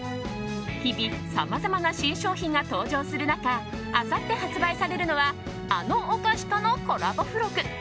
日々、さまざまな新商品が登場する中あさって発売されるのはあのお菓子とのコラボ付録。